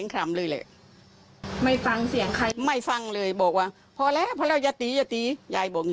ก็คือจะเอาให้ได้